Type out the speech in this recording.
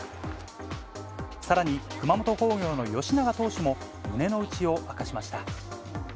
さらに、熊本工業の吉永投手も、胸の内を明かしました。